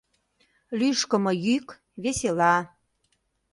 Лӱшкымӧ йӱк, весела...